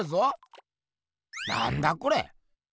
なんだこれ？